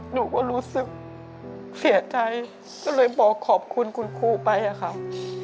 หนูก็รู้สึกเสียใจก็เลยบอกขอบคุณคุณครูไปอะค่ะ